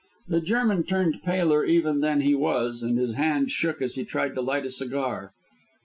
The German turned paler even than he was, and his hand shook as he tried to light a cigar.